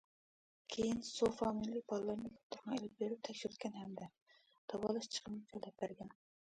كېيىن، سۇ فامىلىلىك بالىلارنى دوختۇرخانىغا ئېلىپ بېرىپ تەكشۈرتكەن ھەمدە داۋالاش چىقىمىنى تۆلەپ بەرگەن.